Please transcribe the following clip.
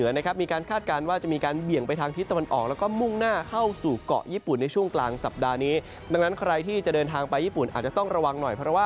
เพราะว่าจากการคาดการณ์ที่ภาคอิสานตอนล่าง